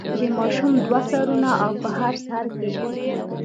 د ماشوم دوه سرونه او په هر سر کې.